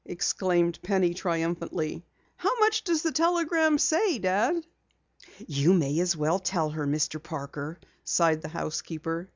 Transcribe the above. exclaimed Penny triumphantly. "How much does the telegram say, Dad?" "You may as well tell her, Mr. Parker," sighed the housekeeper.